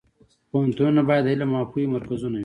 پوهنتونونه باید د علم او پوهې مرکزونه وي